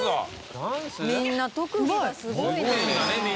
みんな特技がすごいな。